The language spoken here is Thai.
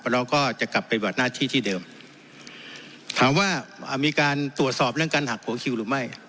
เราก็จะกลับไปบัดหน้าที่ที่เดิมถามว่ามีการตรวจสอบเรื่องการหักหัวคิวหรือไม่